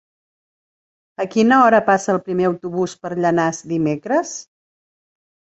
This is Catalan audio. A quina hora passa el primer autobús per Llanars dimecres?